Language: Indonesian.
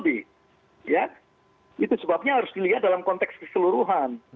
itu sebabnya harus dilihat dalam konteks keseluruhan